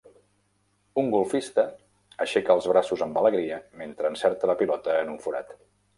Un golfista aixeca els braços amb alegria mentre encerta la pilota en un forat.